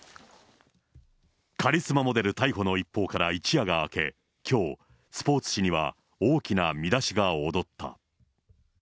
カリスマモデル逮捕の一報から一夜が明け、きょう、スポーツ紙には大きな見出しが躍った。